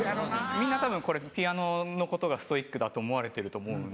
みんなたぶんこれピアノのことがストイックだと思われてると思うんですけど。